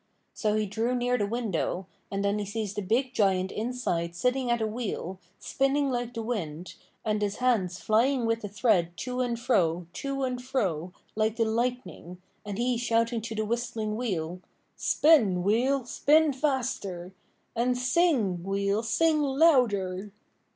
So he drew near the window, and then he sees the big Giant inside sitting at a wheel, spinning like the wind, and his hands flying with the thread to and fro, to and fro, like the lightning, and he shouting to the whistling wheel: 'Spin, wheel, spin faster; and sing, wheel, sing louder!'